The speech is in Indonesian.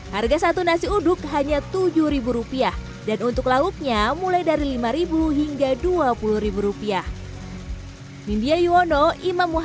harga satu nasi uduk hanya tujuh rupiah dan untuk lauknya mulai dari lima hingga dua puluh rupiah